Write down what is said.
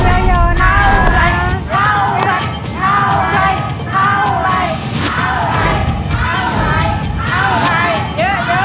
เข้าไหลด